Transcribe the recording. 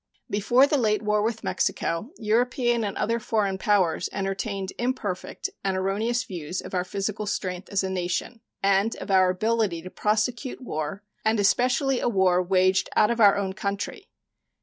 Before the late war with Mexico European and other foreign powers entertained imperfect and erroneous views of our physical strength as a nation and of our ability to prosecute war, and especially a war waged out of out own country.